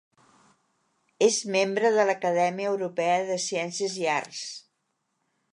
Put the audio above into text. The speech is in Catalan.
És membre de l'Acadèmia Europea de Ciències i Arts.